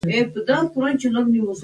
تکرار مي پر زړه ښه لګیږي.